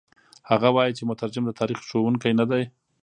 هغه وايي چې مترجم د تاریخ ښوونکی نه دی.